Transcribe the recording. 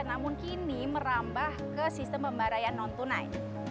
namun kini merambah ke sistem pembarayan non tunai